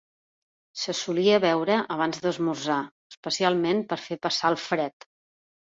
Se solia beure abans d'esmorzar, especialment per fer passar el fred.